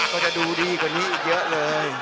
ก็จะดูดีกว่านี้อีกเยอะเลย